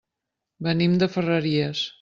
Venim de Ferreries.